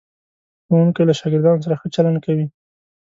ښوونکی له شاګردانو سره ښه چلند کوي.